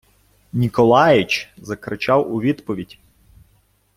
Ніколаіч закричав у відповідь.